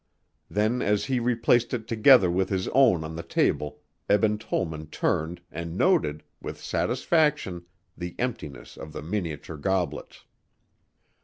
Then as he replaced it together with his own on the table Eben Tollman turned, and noted, with satisfaction, the emptiness of the miniature goblets.